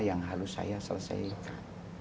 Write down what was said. yang harus saya selesaikan